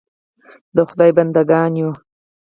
د خدای بنده ګان یو .